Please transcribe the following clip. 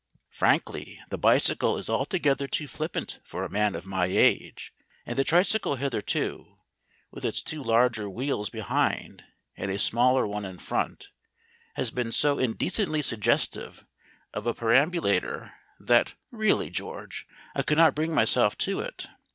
Frankly, the bicycle is altogether too flippant for a man of my age, and the tricycle hitherto, with its two larger wheels behind and a smaller one in front, has been so indecently suggestive of a perambulator that really, George, I could not bring myself to it.